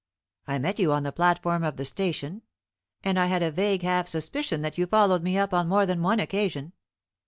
I met you on the platform of the station, and I had a vague half suspicion that you followed me up on more than one occasion.